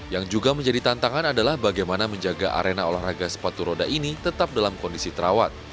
yang juga menjadi tantangan adalah bagaimana menjaga arena olahraga sepatu roda ini tetap dalam kondisi terawat